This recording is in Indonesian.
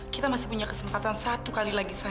kita masih punya kesempatan satu kali lagi sama mami